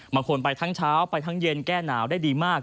บางคนไปทั้งเช้าไปทั้งเย็นแก้หนาวได้ดีมาก